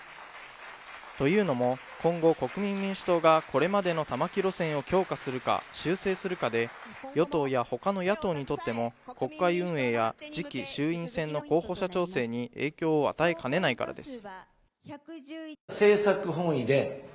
というのも、今後、国民民主党がこれまでの玉木路線を強化するか修正するかで与党や他の野党にとっても国会運営や次期衆院選の候補者調整に影響を与えかねないからです。